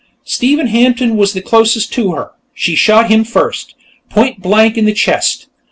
Stephen Hampton was the closest to her; she shot him first, point blank in the chest.